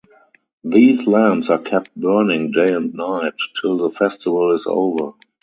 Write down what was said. These lamps are kept burning day and night till the festival is over.